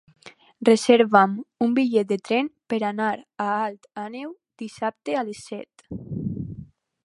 Reserva'm un bitllet de tren per anar a Alt Àneu dissabte a les set.